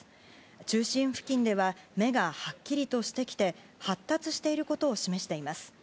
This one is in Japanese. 中心付近では目がはっきりとしてきて発達していることを示しています。